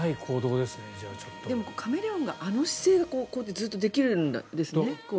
でもカメレオンあの姿勢ずっとできるんですね。